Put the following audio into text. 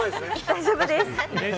大丈夫です。